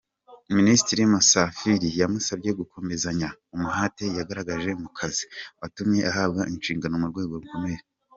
Minisitiri Musafiri yamusabye gukomezanya umuhate yagaragaje mu kazi, watumye ahabwa inshingano mu rwego rukomeye.